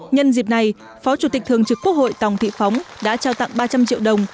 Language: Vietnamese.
nhân dịp này phó chủ tịch thường trực quốc hội tòng thị phóng đã trao tặng ba trăm linh triệu đồng